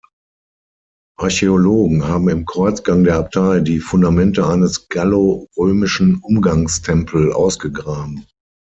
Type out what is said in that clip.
Archäologen haben im Kreuzgang der Abtei die Fundamente eines gallo-römischen Umgangstempel ausgegraben.